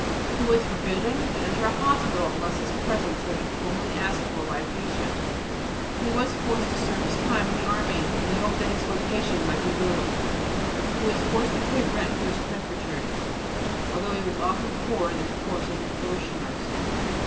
He was forbidden to enter a hospital unless his presence had been formally asked for by a patient. He was forced to serve his time in the army in the hope that his vocation might be ruined. He was forced to pay a rent for his presbytery, although he was often poorer than the poorest of his parishioners.